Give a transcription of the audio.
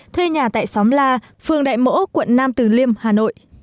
thuê nhà tại xóm la phường đại mỗ quận nam từ liêm hà nội